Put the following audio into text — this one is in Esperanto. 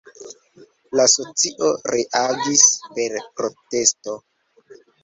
La socio reagis per protesto.